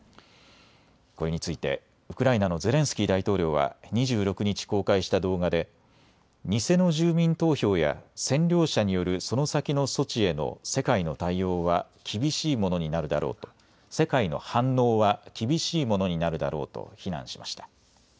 これについてウクライナのゼレンスキー大統領は２６日、公開した動画で偽の住民投票や占領者によるその先の措置への世界の反応は厳しいものになるだろうと非難しました。